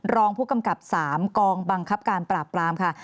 รองผู้กำกับ๓กองบังคับการปราบปรามค่ะ